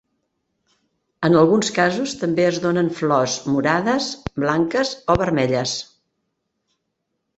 En alguns casos també es donen flors morades, blanques o vermelles.